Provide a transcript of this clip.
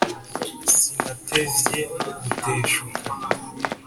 sinatevye guteshuka.